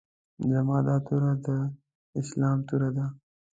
زما دا توره د اسلام توره ده.